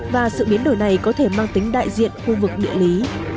và sự biến đổi này có thể mang tính đại diện khu vực địa lý